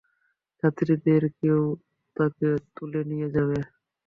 যাত্রীদলের কেউ তাকে তুলে নিয়ে যাবে।